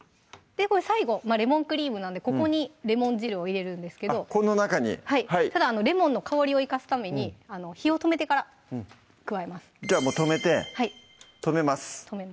最後レモンクリームなんでここにレモン汁を入れるんですけどこの中にただレモンの香りを生かすために火を止めてから加えますじゃあもう止めて止めます